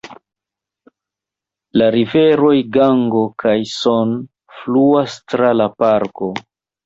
La riveroj Gango kaj Son fluas tra la parko.